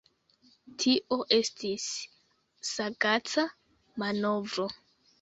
Tio estis sagaca manovro.